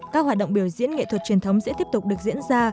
các hoạt động biểu diễn nghệ thuật truyền thống sẽ tiếp tục được diễn ra